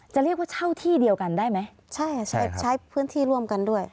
จะเรียกว่าเช่าที่เดียวกันได้ไหมใช่ใช่ใช้พื้นที่ร่วมกันด้วย